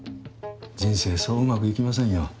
人生そううまくいきませんよ。